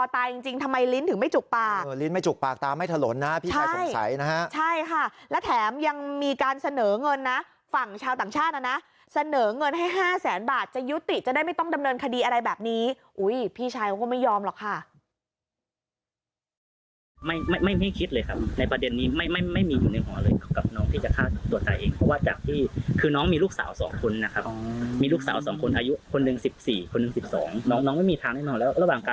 แต่จริงทำไมลิ้นถึงไม่จุกปากลิ้นไม่จุกปากตาไม่ถลนนะพี่ชายสงสัยนะฮะใช่ค่ะและแถมยังมีการเสนอเงินนะฝั่งชาวต่างชาติละนะเสนอเงินให้๕แสนบาทจะยุติจะได้ไม่ต้องดำเนินคดีอะไรแบบนี้พี่ชายก็ไม่ยอมหรอกค่ะ